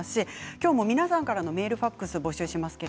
今日は皆さんからのメール、ファックスを募集します。